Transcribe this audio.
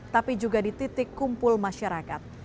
tapi juga di titik kumpul masyarakat